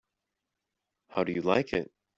How do you like it?